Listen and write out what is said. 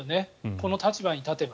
この立場に立てば。